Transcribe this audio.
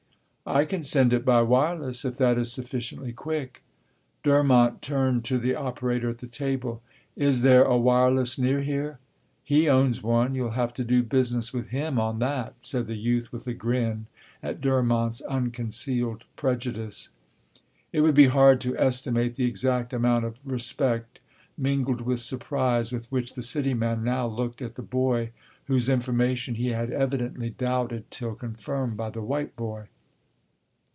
"I can send it by wireless, if that is sufficiently quick." Durmont turned to the operator at the table. "Is there a wireless near here?" "He owns one, you'll have to do business with him on that," said the youth with a grin at Durmont's unconcealed prejudice. It would be hard to estimate the exact amount of respect, mingled with surprise, with which the city man now looked at the boy whose information he had evidently doubted till confirmed by the white boy.